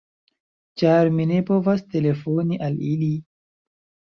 Ĉar mi ne povas telefoni al ili.